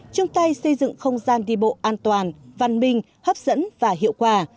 chung tay xây dựng không gian đi bộ an toàn văn minh hấp dẫn và hiệu quả